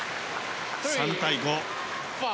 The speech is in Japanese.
３対５。